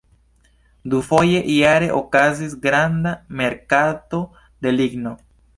Dufoje jare okazis granda merkato de ligno.